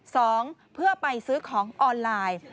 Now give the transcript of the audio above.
สองเพื่อไปซื้อของออนไลน์